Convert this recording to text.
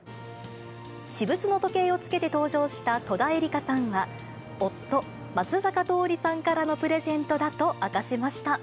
私物の時計をつけて登場した戸田恵梨香さんは、夫、松坂桃李さんからのプレゼントだと明かしました。